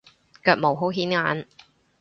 腳毛好顯眼